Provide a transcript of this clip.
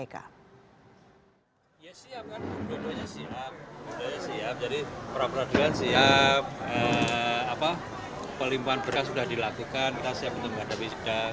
siapkan berdoanya siap jadi pra peradilan siap pelimpan berkas sudah dilakukan kita siap untuk menghadapi sidang